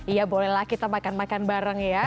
iya bolehlah kita makan makan bareng ya